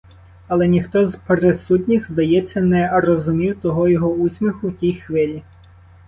Але ніхто з присутніх, здається, не розумів того його усміху в тій хвилі.